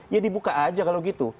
ya dibuka aja kalau gitu